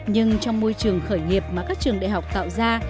nhưng trong môi trường khởi nghiệp mà các trường đại học tạo ra